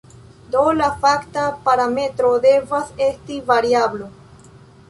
Do, la fakta parametro devas esti variablo.